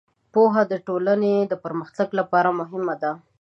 پوهه د ټولنې د پرمختګ لپاره مهمه ده.